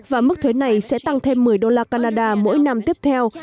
và mức thuế này sẽ tăng thêm một mươi đô la canada mỗi năm tiếp theo